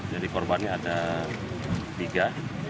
jadi korbannya ada tiga